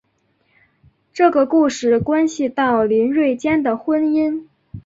这个故事关系到林瑞间的婚姻。